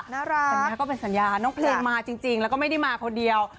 น่ารักแต่นี่ก็เป็นสัญญาน้องเพลงมาจริงแล้วก็ไม่ได้มาเพราะเดียว